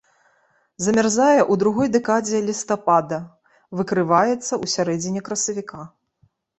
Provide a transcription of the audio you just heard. Замярзае ў другой дэкадзе лістапада, выкрываецца ў сярэдзіне красавіка.